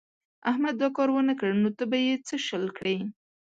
احمد دا کار و نه کړ نو ته به يې څه شل کړې.